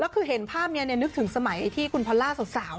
แล้วคือเห็นภาพนี้นึกถึงสมัยที่คุณพอล่าสาว